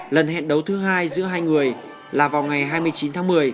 lần hẹn đấu thứ hai giữa hai người là vào ngày hai mươi chín tháng một mươi